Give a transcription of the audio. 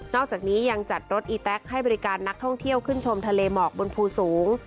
อกจากนี้ยังจัดรถอีแต๊กให้บริการนักท่องเที่ยวขึ้นชมทะเลหมอกบนภูสูง